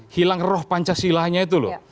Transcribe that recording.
hilang roh pancasila nya itu loh